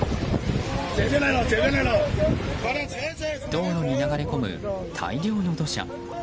道路に流れ込む大量の土砂。